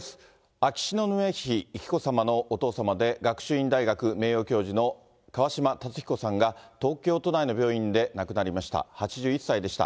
秋篠宮妃紀子さまのお父様で、学習院大学名誉教授の川嶋辰彦さんが、東京都内の病院で亡くなりました。